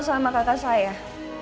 ini mampus banget woh